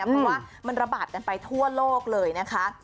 เพราะว่ามันระบาดกันไปทั่วโลกเลยนะคะ